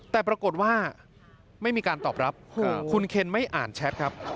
แต่ปรากฏว่าไม่มีการตอบรับคุณเคนไม่อ่านแชทครับ